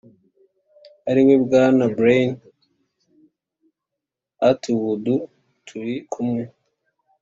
ari we bwana brian atwood turi kumwe